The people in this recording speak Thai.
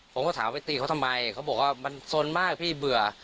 ผมก็ถามว่าตีเขาทำไมเขาบอกว่ามันสนมากพี่เบื่อ